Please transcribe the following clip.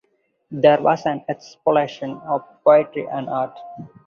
There was an explosion of poetry and art.